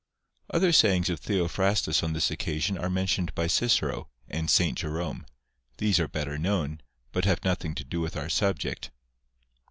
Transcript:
Other sayings of Theophrastus on this occasion are mentioned by Cicero and St. Jerome. These are better known, but have nothing to do with our subject.